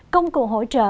công cụ hỗ trợ